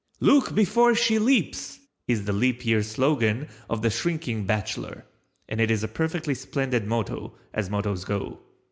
"Look before she leaps!" is the Leap Year slogan of the shrinking Bachelor, and it is a perfectly splendid motto, as mottoes go.